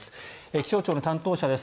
気象庁の担当者です。